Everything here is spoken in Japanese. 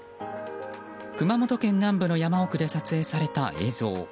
熊本県南部の山奥で撮影された映像。